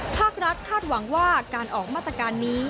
ภาครัฐคาดหวังว่าการออกมาตรการนี้